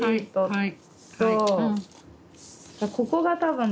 はい。